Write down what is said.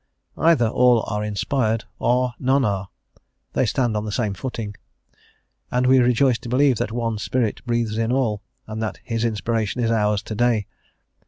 Either all are inspired, or none are. They stand on the same footing. And we rejoice to believe that one Spirit breathes in all, and that His inspiration is ours to day.